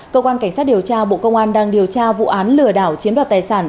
cơ quan cảnh sát điều tra bộ công an đang điều tra vụ án lừa đảo chiếm đoạt tài sản